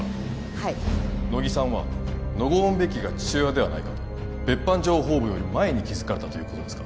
はい乃木さんはノゴーン・ベキが父親ではないかと別班情報部より前に気づかれたということですか？